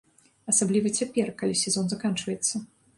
Асабліва цяпер, калі сезон заканчваецца.